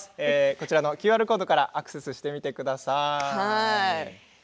こちらのＱＲコードからアクセスしてみてください。